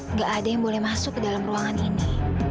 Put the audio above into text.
nggak ada yang boleh masuk ke dalam ruangan ini